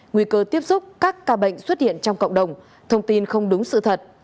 nguy cơ tiếp xúc các ca bệnh xuất hiện trong cộng đồng thông tin không đúng sự thật